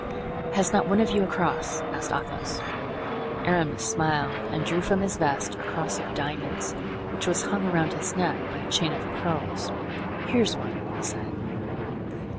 "Has not one of you a cross?" asked Athos. Aramis smiled and drew from his vest a cross of diamonds, which was hung around his neck by a chain of pearls. "Here is one," he said.